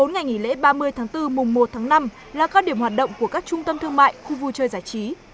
bốn ngày nghỉ lễ ba mươi tháng bốn mùng một tháng năm là cao điểm hoạt động của các trung tâm thương mại khu vui chơi giải trí